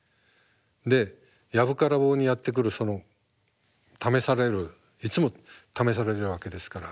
で藪から棒にやって来るその試されるいつも試されるわけですから。